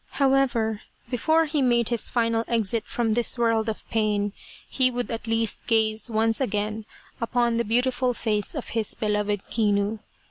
However, before he made his final exit from this world of pain, he would at least gaze once again upon the beautiful face of his beloved Kinu.